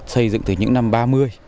xây dựng từ những năm ba mươi